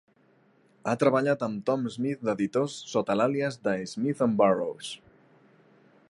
Ha treballat amb Tom Smith d'Editors sota l'àlies de "Smith and Burrows".